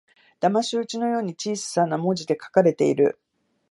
だまし討ちのように小さな文字で書かれている